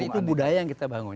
dan itu budaya yang kita bangun